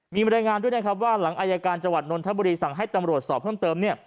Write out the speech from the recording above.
มีบรรยายงานด้วยนะครับว่าหลังอายการจังหวัดนนทบุรีสั่งให้ตำรวจสอบเพิ่มเติม